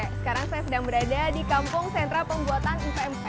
sekarang saya sedang berada di kampung sentra pembuatan itmp